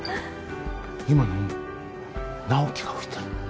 今の直木が吹いてるの？